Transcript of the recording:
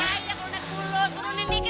ayo kurun naik mulu kurunin dikit lagi